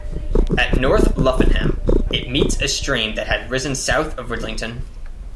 At North Luffenham, it meets a stream that had risen south of Ridlington.